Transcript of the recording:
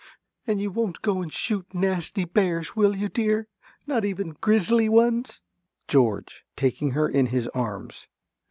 And you won't go and shoot nasty bears, will you, dear? Not even grizzly ones? ~George~ (taking her in his arms).